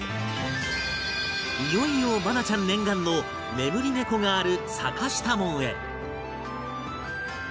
いよいよ愛菜ちゃん念願の眠り猫がある坂下門へ